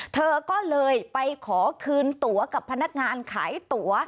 เธอก็เลยไปขอคืนตัวกับพนักงานขายตั๋ว